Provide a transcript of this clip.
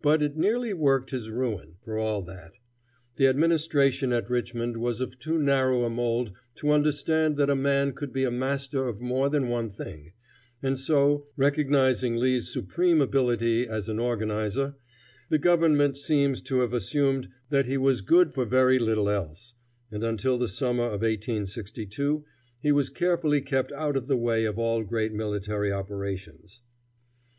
But it nearly worked his ruin, for all that. The administration at Richmond was of too narrow a mold to understand that a man could be a master of more than one thing, and so, recognizing Lee's supreme ability as an organizer, the government seems to have assumed that he was good for very little else, and until the summer of 1862 he was carefully kept out of the way of all great military operations.